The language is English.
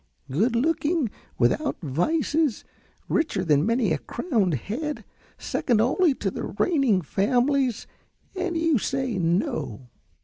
Good looking, without vices, richer than many a crowned head, second only to the reigning families and you say 'no.'"